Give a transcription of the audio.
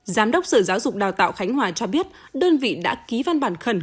giám đốc sở giáo dục đào tạo khánh hòa cho biết đơn vị đã ký văn bản khẩn